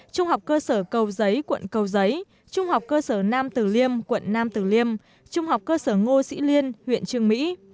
trung học cơ sở cầu giấy quận cầu giấy trung học cơ sở nam tử liêm quận nam tử liêm trung học cơ sở ngô sĩ liên huyện trường mỹ